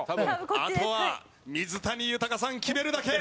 あとは水谷豊さん決めるだけ。